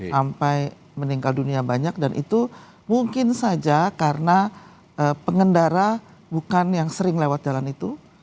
sampai meninggal dunia banyak dan itu mungkin saja karena pengendara bukan yang sering lewat jalan itu